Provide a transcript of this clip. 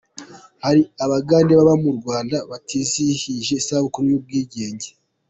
Hari Abagande baba mu Rwanda batizihije isabukuru y’ubwigenge